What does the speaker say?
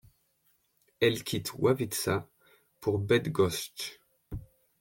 Elle quitte Ławica pour Bydgoszcz.